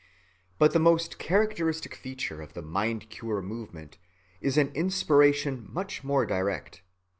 But the most characteristic feature of the mind‐cure movement is an inspiration much more direct.